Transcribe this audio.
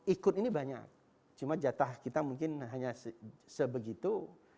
ikut ini banyak cuma jatah kita mungkin hanya sebegitu